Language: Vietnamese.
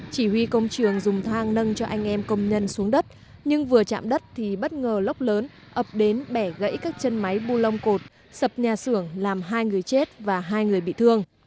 chỉ huy công trường dùng thang nâng cho anh em công nhân xuống đất nhưng vừa chạm đất thì bất ngờ lốc lớn ập đến bẻ gãy các chân máy bu lông cột sập nhà xưởng làm hai người chết và hai người bị thương